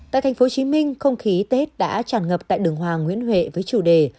tại tp hcm không khí tết đã tràn ngập tại đường hoàng nguyễn huệ với chủ đề